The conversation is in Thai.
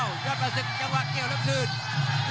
อย่าหลวนนะครับที่เตือนทางด้านยอดปรับศึกครับ